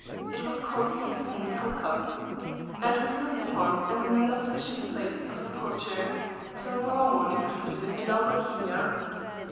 It was called Hisn Kaukab, and was looked upon as an inauspicious place of sepulture, till Marwan included it in Al Bakia.